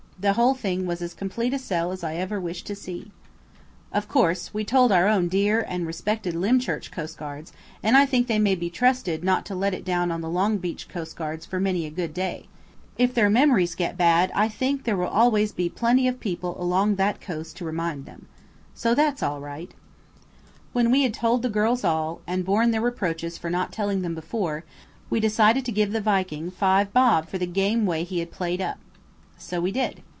The whole thing was as complete a sell as ever I wish to see. SURE ENOUGH IT WAS SEA WATER, AS THE UNAMIABLE ONE SAID WHEN HE HAD TASTED IT. Of course we told our own dear and respected Lymchurch coastguards, and I think they may be trusted not to let it down on the Longbeach coastguards for many a good day. If their memories get bad I think there will always be plenty of people along that coast to remind them! So that's all right. When we had told the girls all, and borne their reproaches for not telling them before, we decided to give the Viking five bob for the game way he had played up. So we did.